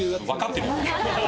分かってるよ。